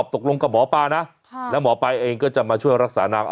ผมบอกก่อนว่ายายตายยายไม่หายนะเพียงแต่ว่าร่างยักยายไม่ทรมานต่อไป